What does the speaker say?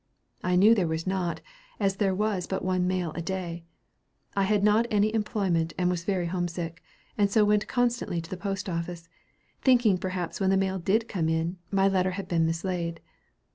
I knew there was not, as there was but one mail a day. I had not any employment and was very homesick, and so went constantly to the post office, thinking perhaps when the mail did come in, my letter had been mislaid.